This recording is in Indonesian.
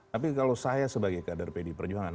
tapi kalau saya sebagai kader pdi perjuangan